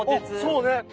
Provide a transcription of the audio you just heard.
そうね。